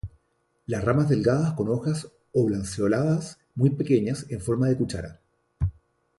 Las ramas delgadas con hojas oblanceoladas muy pequeñas en forma de cuchara.